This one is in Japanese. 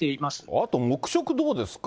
あと、黙食どうですか？